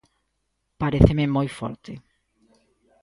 Paréceme moi forte.